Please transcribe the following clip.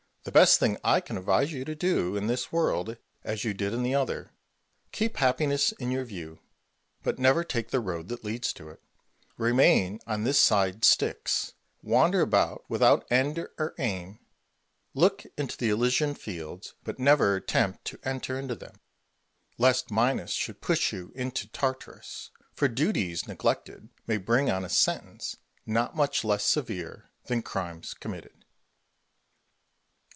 The best thing I can advise you is to do in this world as you did in the other, keep happiness in your view, but never take the road that leads to it. Remain on this side Styx, wander about without end or aim, look into the Elysian fields, but never attempt to enter into them, lest Minos should push you into Tartarus; for duties neglected may bring on a sentence not much less severe than crimes committed.